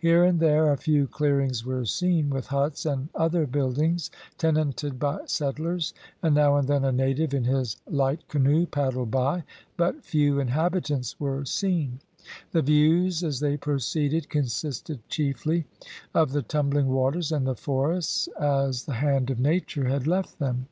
Here and there a few clearings were seen, with huts and other buildings, tenanted by settlers, and now and then a native in his light canoe paddled by, but few inhabitants were seen; the views as they proceeded consisted chiefly of the tumbling waters and the forests as the hand of nature had left them.